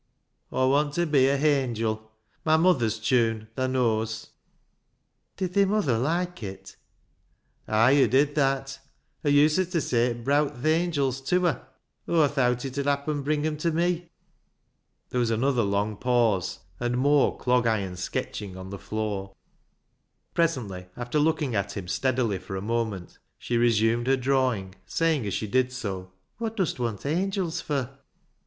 "'Aw want ta be a iiangil,' my muther's tune, thaa knows." "Did thi muther loike it?" 276 BECKSIDE LIGHTS " Ay, hoo did that ; hoo uset say it browt th' angils tew her. Aw thowt it 'ud happen bring 'em to me." There was another long pause, and more clog iron sketching on the floor. Presently, after looking at him steadily for a moment, she resumed her drawing, saying as she did so —" Wot dust w^ant angils fur